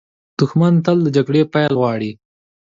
دښمن تل د جګړې پیل غواړي